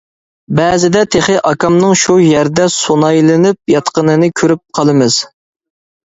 بەزىدە تېخى ئاكامنىڭ شۇ يەردە سۇنايلىنىپ ياتقىنىنى كۆرۈپ قالىمىز.